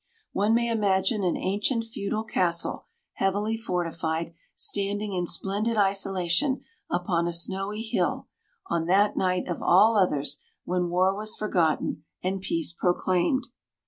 One may imagine an ancient feudal castle, heavily fortified, standing in splendid isolation upon a snowy hill, on that night of all others when war was forgotten and peace proclaimed.